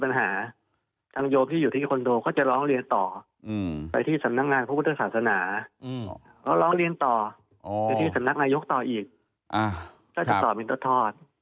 ก็จะต่อเป็นต้นทอด